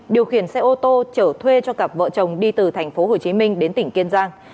điều khiển xe ô tô chở thuê cho cặp vợ chồng đi từ thành phố hồ chí minh đến tỉnh kiên giang